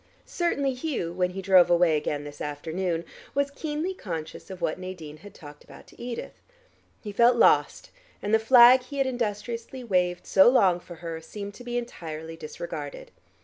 Certainly Hugh, when he drove away again this afternoon, was keenly conscious of what Nadine had talked about to Edith: he felt lost, and the flag he had industriously waved so long for her seemed to be entirely disregarded.